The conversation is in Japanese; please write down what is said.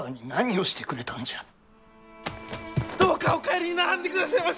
どうかお帰りにならんでくだせまし！